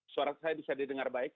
suara saya bisa didengar baik